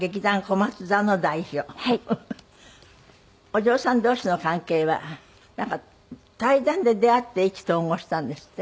お嬢さん同士の関係は対談で出会って意気投合したんですって？